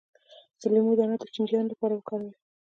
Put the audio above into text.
د لیمو دانه د چینجیانو لپاره وکاروئ